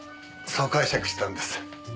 そう解釈したんです。